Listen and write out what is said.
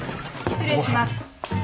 ・・失礼します。